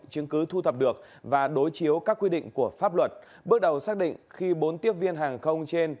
chứng cứ thu thập được và đối chiếu các quy định của pháp luật bước đầu xác định khi bốn tiếp viên hàng không trên